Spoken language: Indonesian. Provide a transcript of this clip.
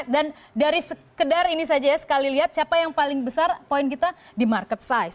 dan dari sekedar ini saja ya sekali lihat siapa yang paling besar poin kita di market size